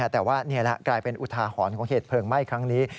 แต่ว่านี่แหละกลายเป็นอุทาหรณ์ของเหตุเพลิงไหม้ครั้งนี้